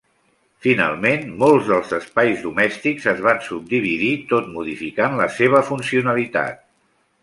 Finalment molts dels espais domèstics es van subdividir, tot modificant la seva funcionalitat.